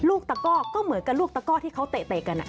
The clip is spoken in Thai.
ตะก้อก็เหมือนกับลูกตะก้อที่เขาเตะกัน